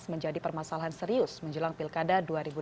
menjadi permasalahan serius menjelang pilkada dua ribu delapan belas